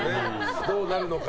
どうなるのか。